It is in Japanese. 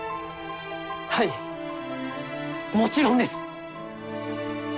はいもちろんです！